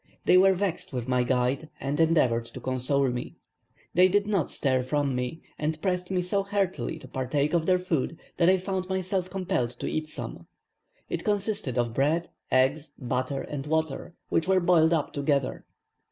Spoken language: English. They were vexed with my guide, and endeavoured to console me. They did not stir from me, and pressed me so heartily to partake of their food, that I found myself compelled to eat some. It consisted of bread, eggs, butter, and water, which were boiled up together.